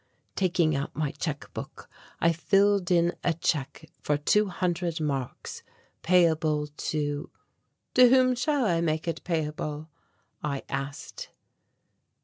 Taking out my check book I filled in a check for two hundred marks payable to "To whom shall I make it payable?" I asked.